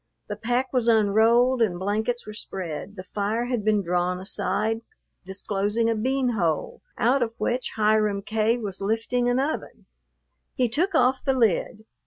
The pack was unrolled and blankets were spread, the fire had been drawn aside, disclosing a bean hole, out of which Hiram K. was lifting an oven. He took off the lid.